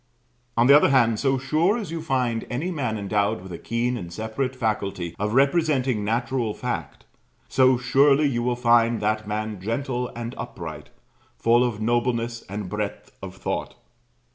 On the other hand, so sure as you find any man endowed with a keen and separate faculty of representing natural fact, so surely you will find that man gentle and upright, full of nobleness and breadth of thought.